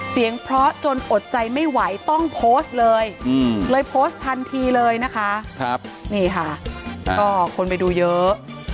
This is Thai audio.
เสียงเพราะจนอดใจไม่ไหวต้องโพสต์เลยเลยโพสต์ทันทีเลยนะคะนี่ค่ะก็คนไปดูเยอะ